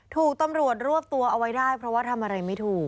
ถูกตำรวจรวบตัวเอาไว้ได้เพราะว่าทำอะไรไม่ถูก